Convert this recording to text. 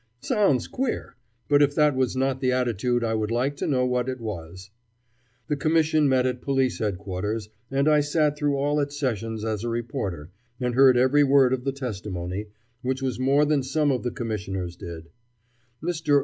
Sounds queer, but if that was not the attitude I would like to know what it was. The Commission met at Police Headquarters, and I sat through all its sessions as a reporter, and heard every word of the testimony, which was more than some of the Commissioners did. Mr.